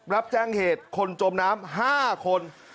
รับแจ้งเหตุคนจมน้ำ๕คน